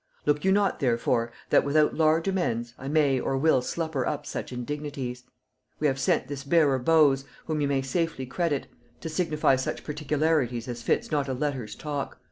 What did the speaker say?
Look you not therefore that without large amends, I may or will slupper up such indignities. We have sent this bearer Bowes, whom you may safely credit, to signify such particularities as fits not a letters talk.